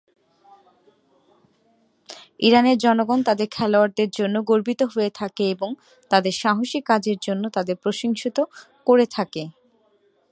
ইরানের জনগণ তাদের খেলোয়াড়দের জন্য গর্বিত হয়ে থাকে এবং তাদের সাহসী কাজের জন্য তাদের প্রশংসিত করে থাকে।